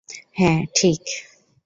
হ্যাঁ, ঠিক!